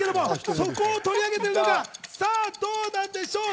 そこを取り上げてるのか、どうなんでしょうか。